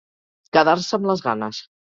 Quedar-se amb les ganes.